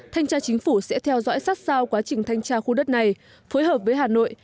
thanh tra chính phủ sẽ theo dõi sát sao quá trình thanh tra khu đất này phối hợp với hà nội